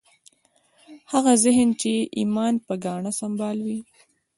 هغه ذهن چې د ایمان په ګاڼه سمبال وي